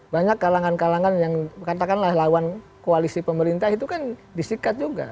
banyak kalangan kalangan yang katakanlah lawan koalisi pemerintah itu kan disikat juga